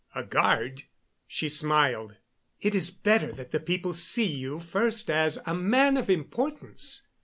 "A guard?" She smiled. "It is better that the people see you first as a man of importance.